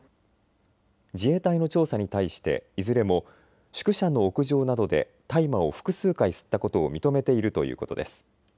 自衛隊の調査に対していずれも宿舎の屋上などで大麻を複数回吸ったことを認めているということです。